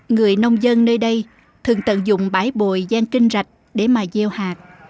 người nông dân nơi đây thường tận dụng bãi bồi gian kinh rạch để mà gieo hạt